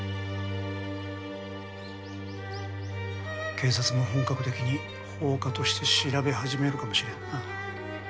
警察も本格的に放火として調べ始めるかもしれんな。